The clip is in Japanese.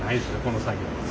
この作業は。